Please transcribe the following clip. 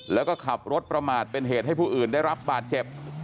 แล้วก็ขับรถประมาทเป็นเหตุให้ผู้อื่นได้รับบาดเจ็บ